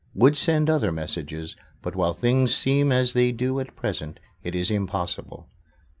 Would send other messages, but while things seem as they do at present it is impossible.